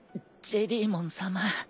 ジェリーモンさま！